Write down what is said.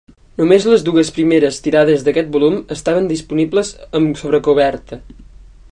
Només les dues primeres tirades d'aquest volum estaven disponibles amb sobrecoberta.